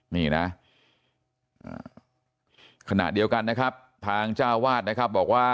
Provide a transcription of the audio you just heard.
นี่นะขณะเดียวกันนะครับทางเจ้าวาดนะครับบอกว่า